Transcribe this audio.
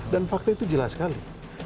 dan fakta itu jelas sekali